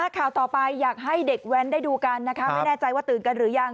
ข่าวต่อไปอยากให้เด็กแว้นได้ดูกันนะคะไม่แน่ใจว่าตื่นกันหรือยัง